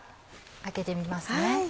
開けてみますね。